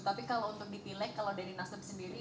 tapi kalau untuk di pileg kalau dari nasdem sendiri